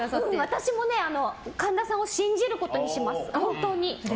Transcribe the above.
私は神田さんを信じることにします。